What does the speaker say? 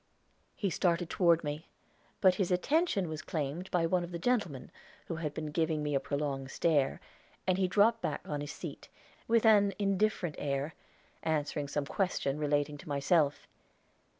He started toward me; but his attention was claimed by one of the gentlemen, who had been giving me a prolonged stare, and he dropped back on his seat, with an indifferent air, answering some question relating to myself.